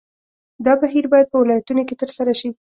دا بهیر باید په ولایتونو کې ترسره شي.